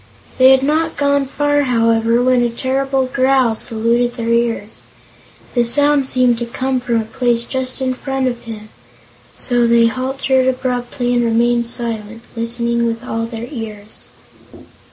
They had not gone far, however, when a terrible growl saluted their ears. The sound seemed to come from a place just in front of them, so they halted abruptly and remained silent, listening with all their ears.